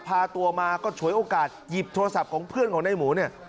พาตัวมาก็ฉวยโอกาสหยิบโทรศัพท์ของเพื่อนของในหมูเนี่ย